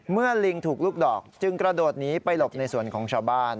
ลิงถูกลูกดอกจึงกระโดดหนีไปหลบในส่วนของชาวบ้าน